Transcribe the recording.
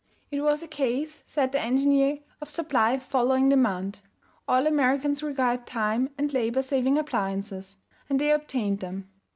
It was a case, said the engineer, of supply following demand; all Americans required time and labor saving appliances, and they obtained them.